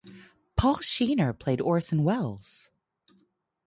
Paul Shenar played Orson Welles.